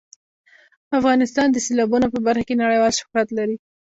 افغانستان د سیلابونه په برخه کې نړیوال شهرت لري.